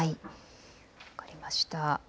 分かりました。